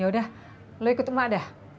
ya udah lo ikut emak dah